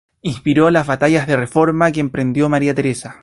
Inspiró las políticas de reforma que emprendió María Teresa.